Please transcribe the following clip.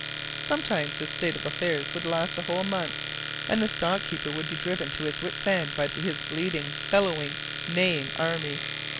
Sometimes this state of affairs would last a whole month, and the stock keeper would be driven to his wits' end by his bleating, bellowing, neighing army.